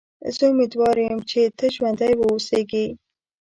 زه امیدوار یم چې ته ژوندی و اوسېږې.